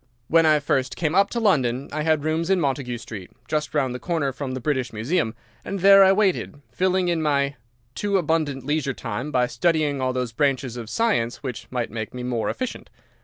"When I first came up to London I had rooms in Montague Street, just round the corner from the British Museum, and there I waited, filling in my too abundant leisure time by studying all those branches of science which might make me more efficient.